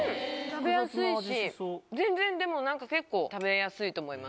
食べやすいし全然でも何か結構食べやすいと思います。